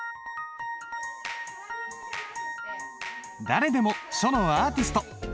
誰でも書のアーティスト！